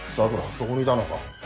そこにいたのか。